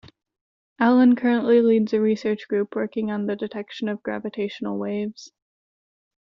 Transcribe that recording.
Allen currently leads a research group working on the detection of gravitational waves.